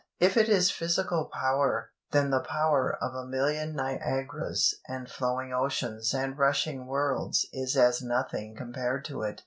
If it is physical power, then the power of a million Niagaras and flowing oceans and rushing worlds is as nothing compared to it.